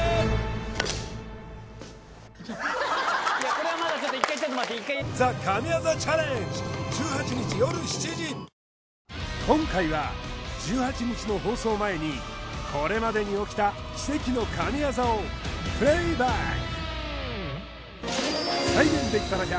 これはまだちょっと１回ちょっと待って１回今回は１８日の放送を前にこれまでに起きた奇跡の神業をプレイバック！